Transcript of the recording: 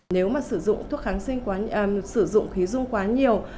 nếu mà sử dụng thuốc kháng sinh quá sử dụng khí dung quá nhiều